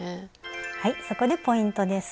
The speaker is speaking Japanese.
はいそこでポイントです。